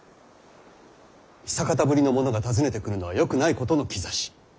久方ぶりの者が訪ねてくるのはよくないことの兆し。